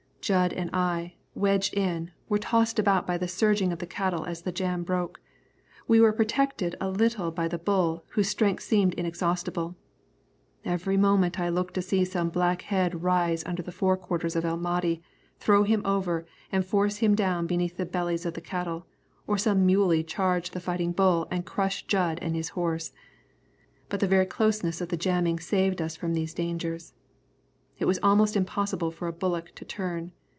Jud and I, wedged in, were tossed about by the surging of the cattle, as the jam broke. We were protected a little by the bull, whose strength seemed inexhaustible. Every moment I looked to see some black head rise under the fore quarters of El Mahdi, throw him over, and force him down beneath the bellies of the cattle, or some muley charge the fighting bull and crush Jud and his horse. But the very closeness of the jamming saved us from these dangers. It was almost impossible for a bullock to turn.